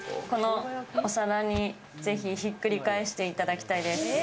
このお皿に、ぜひひっくり返していただきたいです。